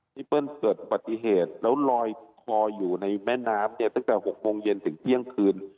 เปิ้ลเกิดปฏิเหตุแล้วลอยคออยู่ในแม่น้ำเนี่ยตั้งแต่๖โมงเย็นถึงเที่ยงคืน